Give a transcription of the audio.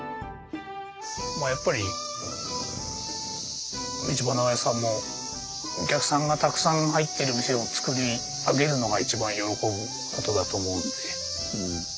まあやっぱり道場のおやじさんもお客さんがたくさん入ってる店を作り上げるのが一番喜ぶことだと思うんで。